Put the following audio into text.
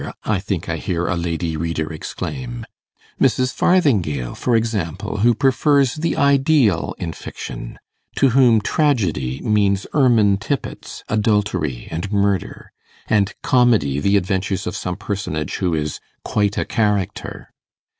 I think I hear a lady reader exclaim Mrs. Farthingale, for example, who prefers the ideal in fiction; to whom tragedy means ermine tippets, adultery, and murder; and comedy, the adventures of some personage who is quite a 'character'.